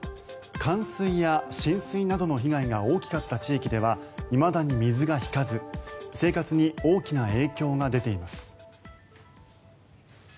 冠水や浸水などの被害が大きかった地域ではいまだに水が引かず生活に大きな影響が出ています。